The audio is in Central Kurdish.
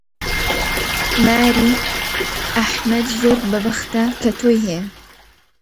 ماری، ئەحمەد زۆر بەبەختە کە تۆی هەیە!